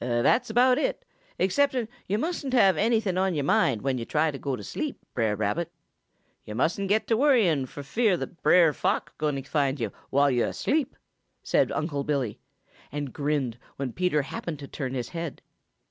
"That's about all, excepting yo' mustn't have anything on yo' mind when yo' try to go to sleep, Brer Rabbit. Yo' mustn't get to worrying fo' fear Brer Fox gwine to find yo' while yo' are asleep," said Unc' Billy, and grinned when Peter happened to turn his head.